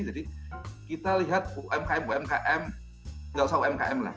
jadi kita lihat umkm umkm tidak usah umkm lah